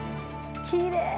きれい！